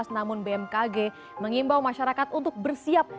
namun bmkg mengimbau masyarakat untuk bersiap